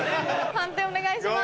判定お願いします。